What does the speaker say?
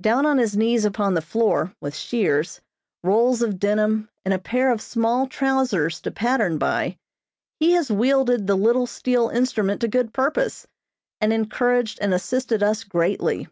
Down on his knees upon the floor, with shears, rolls of denim, and a pair of small trousers to pattern by, he has wielded the little steel instrument to good purpose, and encouraged and assisted us greatly.